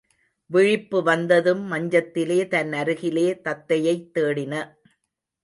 விழிப்பு வந்ததும், மஞ்சத்திலே தன் அருகிலே தத்தையைத் தேடின.